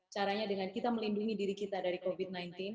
caranya dengan kita melindungi diri kita dari covid sembilan belas